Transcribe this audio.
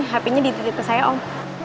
hpnya dititip ke saya om